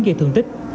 gây thương tích